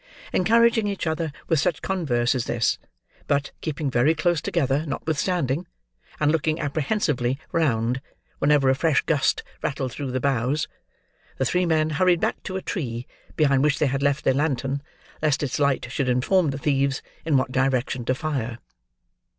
Encouraging each other with such converse as this; but, keeping very close together, notwithstanding, and looking apprehensively round, whenever a fresh gust rattled through the boughs; the three men hurried back to a tree, behind which they had left their lantern, lest its light should inform the thieves in what direction to fire.